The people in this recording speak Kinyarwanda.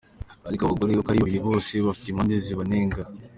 Ariko abo bagore uko ari babiri bose bafite impande zibanenga.